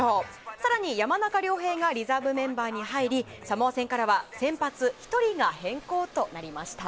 さらに山中亮平がリザーブメンバーに入り、サモア戦からは先発１人が変更となりました。